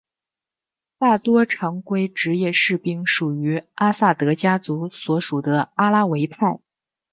大多常规职业士兵属于阿萨德家族所属的阿拉维派。